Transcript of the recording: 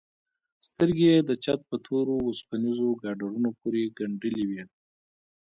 سترگې يې د چت په تورو وسپنيزو ګاډرونو پورې گنډلې وې.